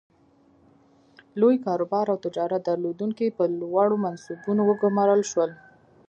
لوی کاروبار او تجارت درلودونکي په لوړو منصبونو وګومارل شول.